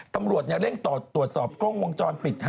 ตำรวจเร่งตรวจสอบกล้องวงจรปิด